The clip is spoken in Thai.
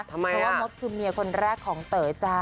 เพราะว่ามดคือเมียคนแรกของเต๋อจ้า